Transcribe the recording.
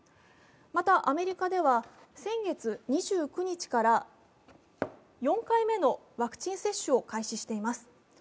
また、アメリカでは、先月２９日から４回目のワクチン接種を開始しています。